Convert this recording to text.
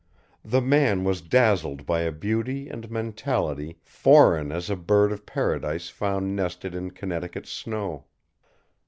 The man was dazzled by a beauty and mentality foreign as a bird of paradise found nested in Connecticut snow.